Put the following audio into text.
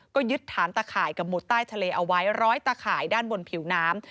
ก็ยึดฐานตะข่ายกับหุดใต้ทะเลเอาไว้ร้อยตะข่ายด้านบนผิวน้ำ